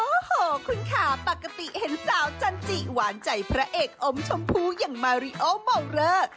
โอ้โหคุณค่ะปกติเห็นสาวจันจิหวานใจพระเอกอมชมพูอย่างมาริโอเมาเลอร์